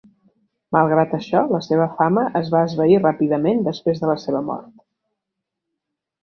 Malgrat això, la seva fama es va esvair ràpidament després de la seva mort.